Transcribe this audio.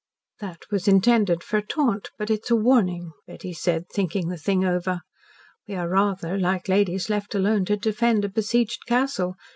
"That was intended for a taunt but it's a warning," Betty said, thinking the thing over. "We are rather like ladies left alone to defend a besieged castle.